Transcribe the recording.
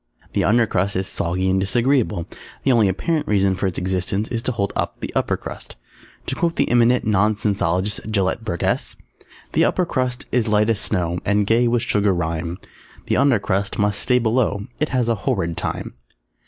The Under Crust is soggy and disagreeable. The only apparent reason for its existence is to hold up the Upper Crust. To quote the eminent Nonsensologist Gelett Burgess The Upper Crust is light as snow And gay with sugar rime; The Under Crust must stay below, _It has a horrid time.